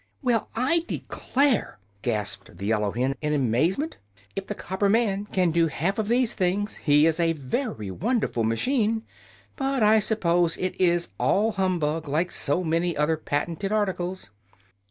|||++ "Well, I declare!" gasped the yellow hen, in amazement; "if the copper man can do half of these things he is a very wonderful machine. But I suppose it is all humbug, like so many other patented articles."